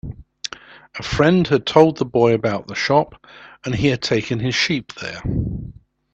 A friend had told the boy about the shop, and he had taken his sheep there.